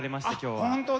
本当だ。